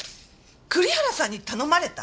栗原さんに頼まれた？